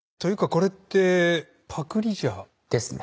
これってパクリじゃ。ですね。